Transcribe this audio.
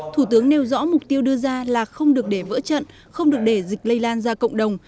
thủ tướng nêu rõ mục tiêu đưa ra là không được để vỡ trận không được để dịch lây lan ra cộng đồng